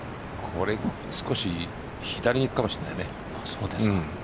少し左にいくかもしれないね。